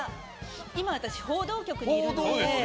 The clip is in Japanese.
今、私、報道局にいるので。